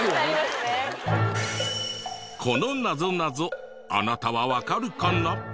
このなぞなぞあなたはわかるかな？